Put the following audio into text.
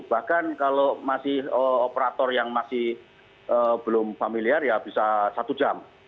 bahkan kalau masih operator yang masih belum familiar ya bisa satu jam